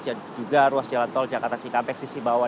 dan juga ruas jalan tol jakarta cikangpek sisi bawah